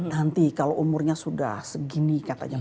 nanti kalau umurnya sudah segini katanya